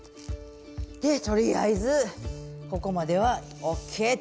でとりあえずここまではＯＫと。